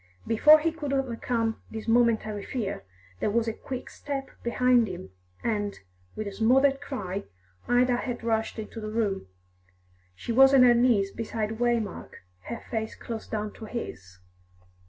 Before he could overcome this momentary fear, there was a quick step behind him, and, with a smothered cry, Ida had rushed into the room. She was on her knees beside Waymark, her face close down to his.